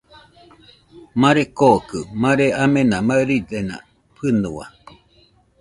Mare kookɨ mare amena maɨridena fɨnua.